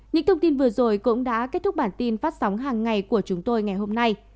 những thông tin vừa rồi cũng đã kết thúc bản tin phát sóng hàng ngày của chúng tôi ngày hôm nay